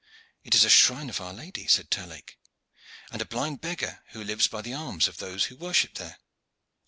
"It is a shrine of Our Lady," said Terlake, "and a blind beggar who lives by the alms of those who worship there."